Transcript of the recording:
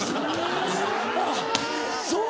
あっそう。